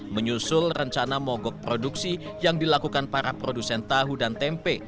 menyusul rencana mogok produksi yang dilakukan para produsen tahu dan tempe